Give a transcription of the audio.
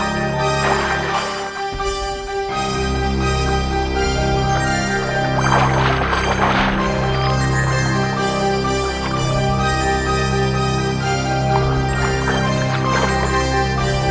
nyai dimana nyai